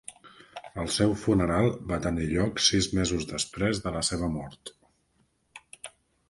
El seu funeral va tenir lloc sis mesos després de la seva mort.